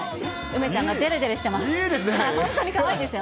梅ちゃんがでれでれしてます。